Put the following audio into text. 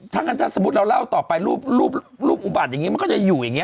ถ้างั้นถ้าสมมุติเราเล่าต่อไปรูปอุบัติอย่างนี้มันก็จะอยู่อย่างนี้